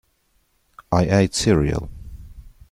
I ate cereal.